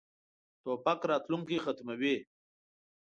توپک راتلونکی ختموي.